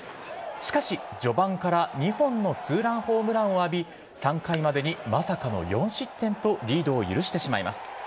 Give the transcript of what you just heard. しかし序盤から２本のツーランホームランを浴び、３回までにまさかの４失点とリードを許してしまいます。